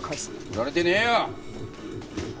フラれてねえよ！